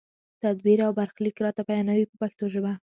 تدبیر او برخلیک راته بیانوي په پښتو ژبه.